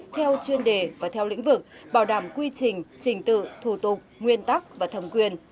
theo chuyên đề và theo lĩnh vực bảo đảm quy trình trình tự thủ tục nguyên tắc và thẩm quyền